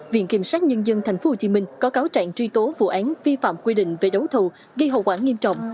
viện kiểm sát nhân dân tp hcm có cáo trạng truy tố vụ án vi phạm quy định về đấu thầu gây hậu quả nghiêm trọng